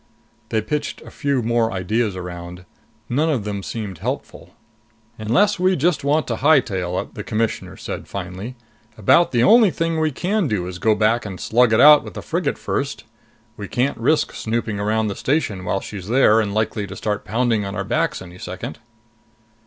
They pitched a few more ideas around. None of them seemed helpful. "Unless we just want to hightail it," the Commissioner said finally, "about the only thing we can do is go back and slug it out with the frigate first. We can't risk snooping around the station while she's there and likely to start pounding on our backs any second."